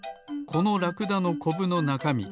このラクダのコブのなかみ